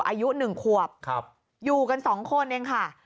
อายุ๑ขวบอยู่กัน๒คนเองค่ะ